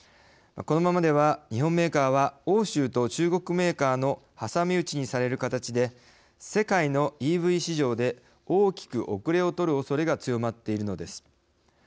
このままでは日本メーカーは欧州と中国メーカーの挟み撃ちにされる形で世界のＥＶ市場で大きく後れを取るおそれが強まっているのです。